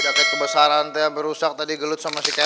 jaket kebesaran teh berusak tadi gelut sama si kelek